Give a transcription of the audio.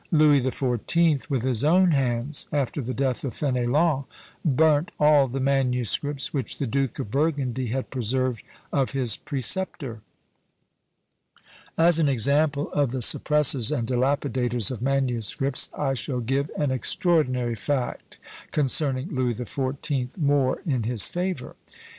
Louis the Fourteenth, with his own hands, after the death of Fénélon, burnt all the manuscripts which the Duke of Burgundy had preserved of his preceptor. As an example of the suppressors and dilapidators of manuscripts, I shall give an extraordinary fact concerning Louis the Fourteenth, more in his favour.